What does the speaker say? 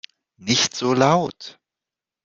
Nicht so laut!